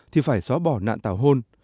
thì phải xóa bỏ nạn tảo hôn